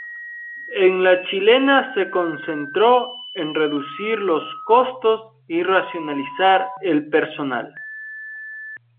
En la chilena se concentró en reducir los costos y racionalizar el personal.